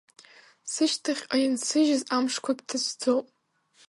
Сышьҭахьҟа инсыжьыз амшқәагь ҭацәӡоуп…